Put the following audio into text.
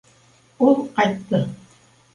Ул ҡайтты...